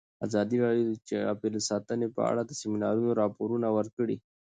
ازادي راډیو د چاپیریال ساتنه په اړه د سیمینارونو راپورونه ورکړي.